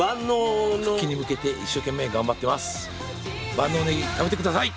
万能ねぎ食べて下さい！